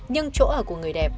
nhưng chỗ ở của người đẹp